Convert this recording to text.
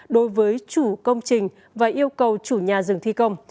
đối với chủ công trình và yêu cầu chủ nhà dừng thi công